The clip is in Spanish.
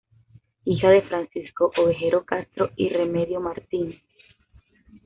Hija de Francisco Ovejero Castro y Remedio Martínez.